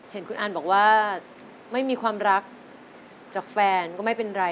เห็นคุณอันบอกว่าไม่มีความรักจากแฟนก็ไม่เป็นไร